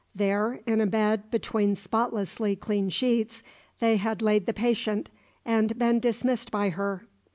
There, in a bed between spotlessly clean sheets, they had laid the patient, and been dismissed by her.